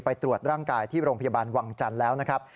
ไปตรวจร่างกายที่โรงพยาบาลวังจันทร์แล้วนะครับ